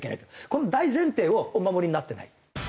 この大前提をお守りになってない。